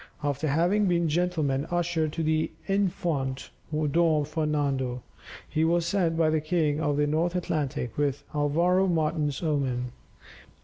After having been gentleman usher to the Infante don Fernando, he was sent by the king to the North Atlantic, with Alvaro Martins Homem.